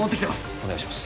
お願いします